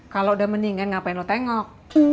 kalo udah mendingan ngapain lu tengok